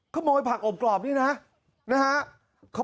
ขโมยผักอบกรอบนี่นะนะฮะ